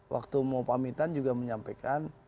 waktu mau pamitan juga menyampaikan